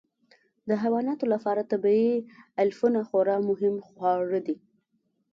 د حیواناتو لپاره طبیعي علفونه خورا مهم خواړه دي.